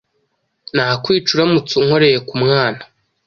Nakwica uramutse unkoreye kumwana